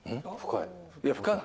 深い。